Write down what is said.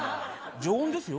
常温ですよ？